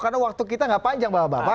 karena waktu kita nggak panjang bapak bapak